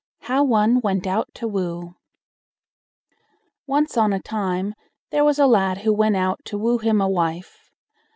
HOW ONE WENT OUT TO WOO Once on a time there was a lad who went out to woo him a wife.